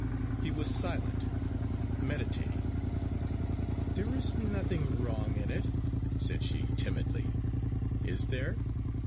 He was silent, meditating. "There is nothing wrong in it," said she, timidly, "is there?"